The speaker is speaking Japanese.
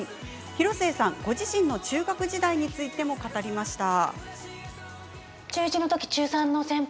広末さん、ご自身の中学時代についても語りました。